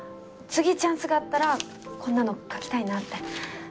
次チャンスがあったらこんなの描きたいなって。